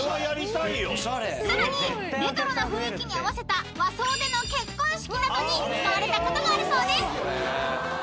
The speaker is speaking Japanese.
［さらにレトロな雰囲気に合わせた和装での結婚式などに使われたことがあるそうです］